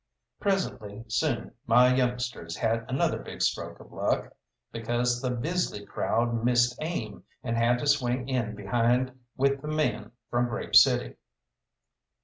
Presently soon my youngsters had another big stroke of luck, because the Bisley crowd missed aim, and had to swing in behind with the men from Grave City.